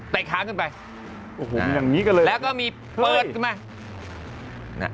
แตะขาขึ้นไปอ่ะโอ้โหยังนี่กันเลยแล้วก็มีเปิดขึ้นมา